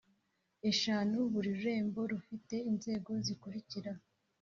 eshanu Buri rurembo rufite inzego zikurikira